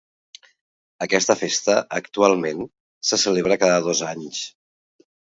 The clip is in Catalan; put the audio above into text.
Aquesta festa, actualment, se celebra cada dos anys.